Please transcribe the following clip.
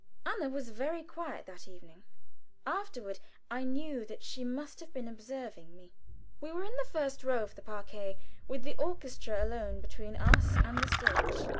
Anna was very quiet that evening. Afterward I knew that she must have been observing me. We were in the first row of the parquet, with the orchestra alone between us and the stage.